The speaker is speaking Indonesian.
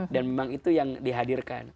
dan memang itu yang dihadirkan